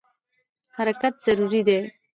حرکت ضروري دی.